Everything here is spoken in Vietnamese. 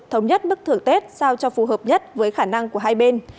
thống nhất bức thưởng tết sao cho phù hợp nhất với khả năng của hai bên